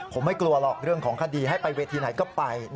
ผมไม่กลัวหรอกเรื่องของคดีให้ไปเวทีไหนก็ไป